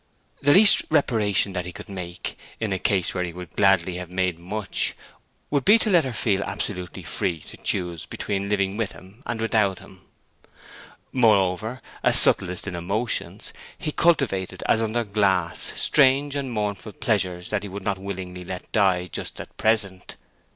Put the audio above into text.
The least reparation that he could make, in a case where he would gladly have made much, would be to let her feel herself absolutely free to choose between living with him and without him. Moreover, a subtlist in emotions, he cultivated as under glasses strange and mournful pleasures that he would not willingly let die just at present.